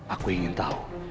aku ingin tahu